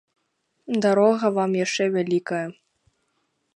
Дарога вам яшчэ вялікая.